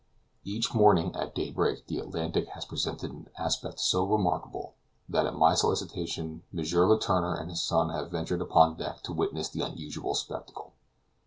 Each morning at daybreak the Atlantic has presented an aspect so remarkable, that at my solicitation, M. Letourneur and his son have ventured upon deck to witness the unusual spectacle.